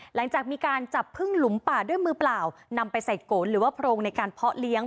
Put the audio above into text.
หลังจากมีการจับพึ่งหลุมป่าด้วยมือเปล่านำไปใส่โกนหรือว่าโพรงในการเพาะเลี้ยง